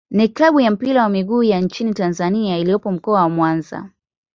ni klabu ya mpira wa miguu ya nchini Tanzania iliyopo Mkoa wa Mwanza.